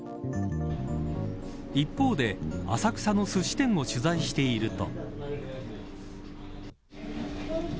一方で、浅草のすし店を取材していると。